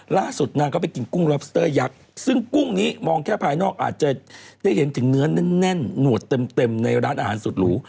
ล่าสุดนางก็ไปกินกุ้งลอบสเตอร์ยักษ์ซึ่งกุ้งนี้มองแค่ภายนอกอาจจะได้เห็นถึงเนื้อแน่นหนวดเต็มในร้านอาหารสุดหรู